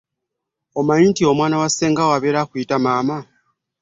Okimanyi nti omwana wa ssengawo abeera akuyita maama?